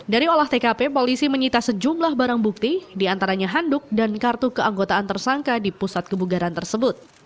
dari olah tkp polisi menyita sejumlah barang bukti diantaranya handuk dan kartu keanggotaan tersangka di pusat kebugaran tersebut